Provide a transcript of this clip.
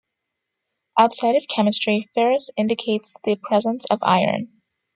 Outside of chemistry, "ferrous" indicates the presence of iron.